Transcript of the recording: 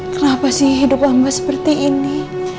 kenapa sih hidup lama seperti ini